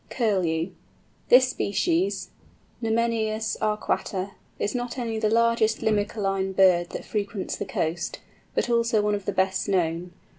CURLEW. This species, (Numenius arquata), is not only the largest Limicoline bird that frequents the coast, but also one of the best known.